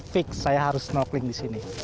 fix saya harus snorkeling di sini